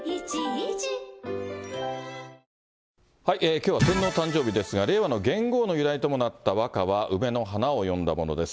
きょうは天皇誕生日ですが、令和の元号の由来ともなった和歌は、梅の花を詠んだものです。